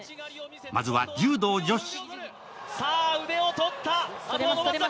まずは柔道女子。